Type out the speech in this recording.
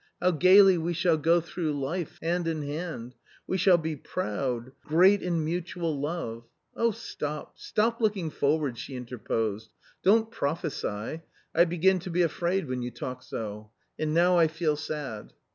How gaily we shall go through life hand in hand 1 We shall be proud, great in mutual love 1 '" "Oh, stop, stop looking forward 1" she interposed. " Don't prophesy ; I begin to be afraid when you talk so. And now I feel sad."